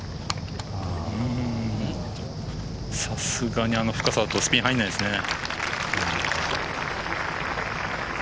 さすがにあの深さだとスピン入らないですね。